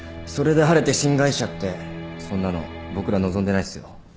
それで晴れて新会社ってそんなの僕ら望んでないっすよ。